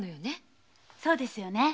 そうですよね。